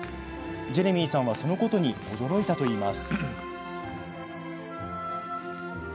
ジェレミーさんはそのことに驚いたといいます。